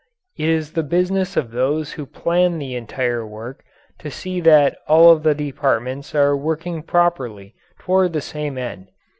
It is the business of those who plan the entire work to see that all of the departments are working properly toward the same end.